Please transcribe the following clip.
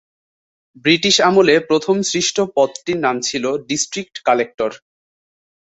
British আমলে প্রথম সৃষ্ট পদটির নাম ছিলো ডিস্ট্রিক্ট কালেক্টর।